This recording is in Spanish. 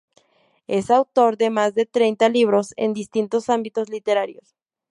Es autor de más de treinta libros en distintos ámbitos literarios.